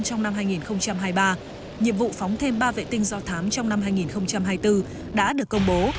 trong năm hai nghìn hai mươi ba nhiệm vụ phóng thêm ba vệ tinh do thám trong năm hai nghìn hai mươi bốn đã được công bố